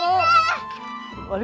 ibu ini indah